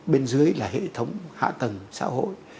bên dưới là hệ thống hạ tầng xã hội